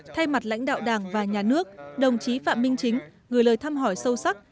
thay mặt lãnh đạo đảng và nhà nước đồng chí phạm minh chính gửi lời thăm hỏi sâu sắc